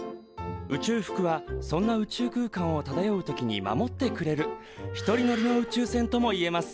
宇宙服はそんな宇宙空間をただよう時に守ってくれる１人乗りの宇宙船とも言えます。